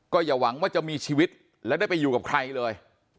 อย่าหวังว่าจะมีชีวิตและได้ไปอยู่กับใครเลย